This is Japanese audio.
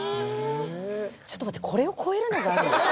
ちょっと待ってこれを超えるのがあるの？